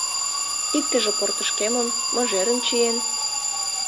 Иктыже портышкемым, мыжерым чиен.